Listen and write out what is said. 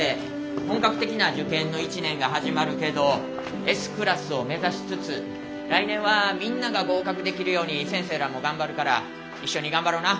本格的な受験の一年が始まるけどＳクラスを目指しつつ来年はみんなが合格できるように先生らも頑張るから一緒に頑張ろな。